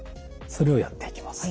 それをやっていきます。